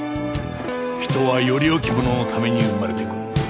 人はより良きもののために生まれてくる。